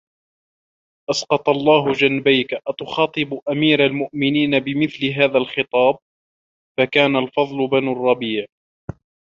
أَسْقَطَ اللَّهُ جَنْبَيْك أَتَخَاطَبُ أَمِيرَ الْمُؤْمِنِينَ بِمِثْلِ هَذَا الْخِطَابِ ؟ فَكَانَ الْفَضْلُ بْنُ الرَّبِيعِ